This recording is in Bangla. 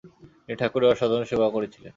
তিনি ঠাকুরের অসাধারণ সেবা করেছিলেন।